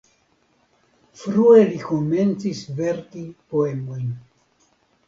Frue li komencis verki poemojn.